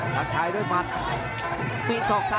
ต้องการสวัสดีค่ะ